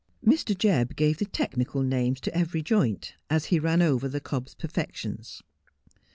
Mr. Jebb gave the technical name to every joint, as he ran over the cob's perfections.